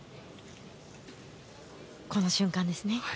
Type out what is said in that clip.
この瞬間ですね。